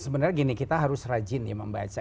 sebenarnya gini kita harus rajin ya membaca